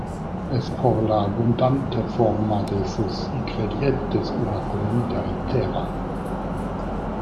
Es por la abundante forma de sus ingredientes una comida entera.